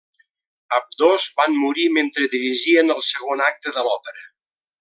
Ambdós van morir mentre dirigien el segon acte de l'òpera.